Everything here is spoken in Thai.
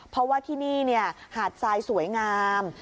เพราะว่าที่นี่หาดทรายสวยงาม